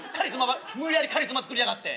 無理やりカリスマ作りやがって。